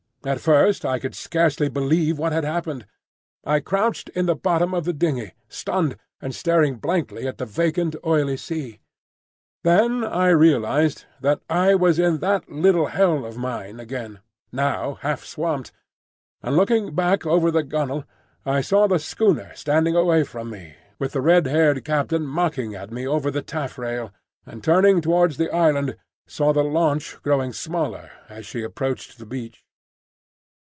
At first I could scarcely believe what had happened. I crouched in the bottom of the dingey, stunned, and staring blankly at the vacant, oily sea. Then I realised that I was in that little hell of mine again, now half swamped; and looking back over the gunwale, I saw the schooner standing away from me, with the red haired captain mocking at me over the taffrail, and turning towards the island saw the launch growing smaller as she approached the beach.